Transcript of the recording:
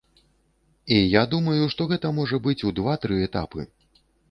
І я думаю, што гэта можа быць у два-тры этапы.